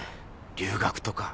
留学とか。